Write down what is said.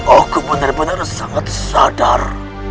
aku benar benar sangat sadar